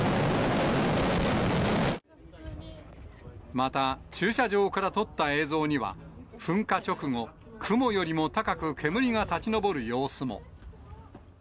また駐車場から撮った映像には、噴火直後、雲よりも高く煙が立ち上がる様子も。